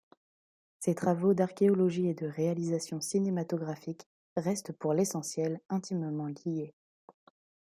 Ses travaux d'archéologie et de réalisation cinématographique restent pour l'essentiel intimement liés.